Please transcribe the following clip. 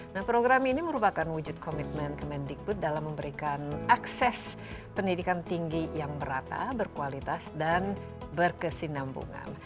nah program ini merupakan wujud komitmen kemendikbud dalam memberikan akses pendidikan tinggi yang merata berkualitas dan berkesinambungan